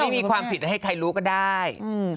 ไม่มีความผิดอะไรให้ใครรู้ก็ได้